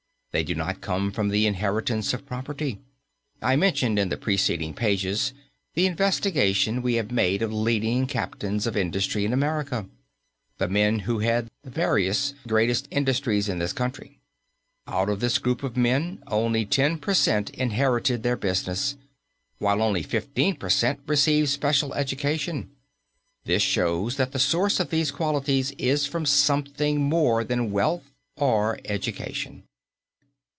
They do not come from the inheritance of property. I mentioned in the preceding pages the investigation we made of leading captains of industry in America, the men who head the various greatest industries in this country. Out of this group of men, only ten per cent. inherited their business, while only fifteen per cent. received special education. This shows that the source of these qualities is from something more than wealth or education.